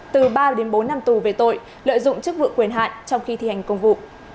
từ ba đến bốn năm tù về tội lợi dụng chức vụ quyền hạn trong khi thi hành công vụ